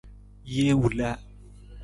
Jee wila.